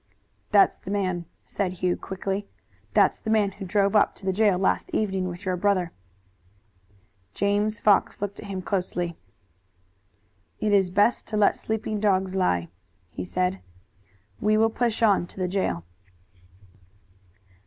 "That's the man!" said Hugh quickly. "That's the man who drove up to the jail last evening with your brother." James Fox looked at him closely. "It is best to let sleeping dogs lie," he said. "We will push on to the jail."